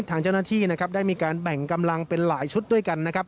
ทางเจ้าหน้าที่ได้มีการแบ่งกำลังเป็นหลายชุดด้วยกัน